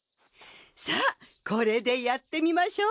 さあこれでやってみましょう。